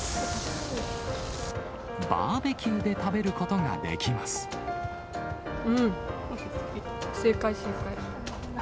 バーベキューで食べることができうん、正解、正解。